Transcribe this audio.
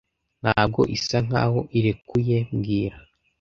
Ntabwo isa nkaho irekuye mbwira